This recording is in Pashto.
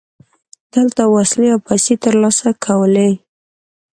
دلته وسلې او پیسې ترلاسه کولې.